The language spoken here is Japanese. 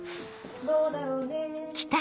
どうだろうね？